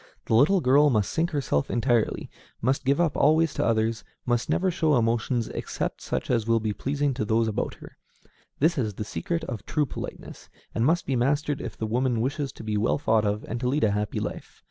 The little girl must sink herself entirely, must give up always to others, must never show emotions except such as will be pleasing to those about her: this is the secret of true politeness, and must be mastered if the woman wishes to be well thought of and to lead a happy life.